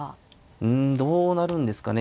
うんどうなるんですかね。